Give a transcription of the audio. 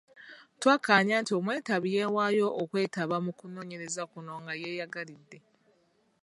Twakkaanya nti omwetabi yeewaayo okwetaba mu kunoonyereza kuno nga yeeyagalidde.